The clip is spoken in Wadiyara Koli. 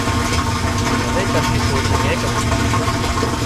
هوي ڪۮي سوري نين ڪرون